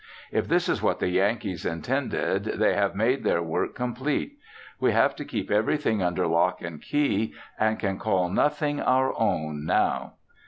If this is what the Yankees intended they have made their work complete. We have to keep everything under lock and key, and can call nothing our own now.